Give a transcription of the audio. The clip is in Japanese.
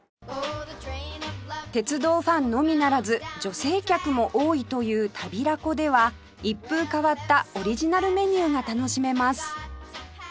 鉄道ファンのみならず女性客も多いというタビラコでは一風変わったオリジナルメニューが楽しめます